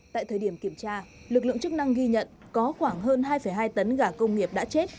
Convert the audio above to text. tại thời điểm kiểm tra lực lượng chức năng ghi nhận có khoảng hơn hai hai tấn gà công nghiệp đã chết